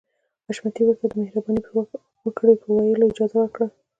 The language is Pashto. حشمتي ورته د مهرباني وکړئ په ويلو اجازه ورکړه.